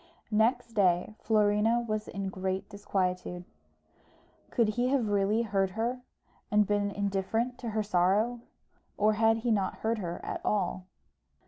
Next day, Florina was in great disquietude. Could he have really heard her, and been indifferent to her sorrow; or had he not heard her at all?